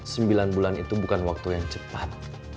sembilan bulan itu bukan waktu yang cepat